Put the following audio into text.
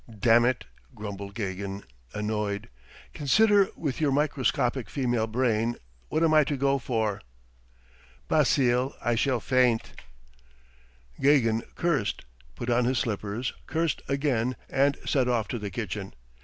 "Damn it," grumbled Gagin, annoyed. "Consider with your microscopic female brain, what am I to go for?" "Basile, I shall faint! ..." Gagin cursed, put on his slippers, cursed again, and set off to the kitchen.